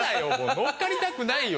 乗っかりたくないよ